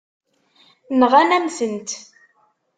Nɣan-am-tent.